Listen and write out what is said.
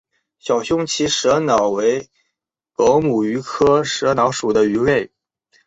小胸鳍蛇鲻为狗母鱼科蛇鲻属的鱼类。